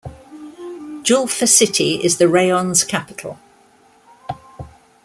Julfa city is the rayon's capital.